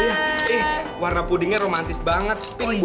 eh warna pudingnya romantis banget pink bu